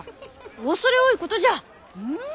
畏れ多いことじゃ！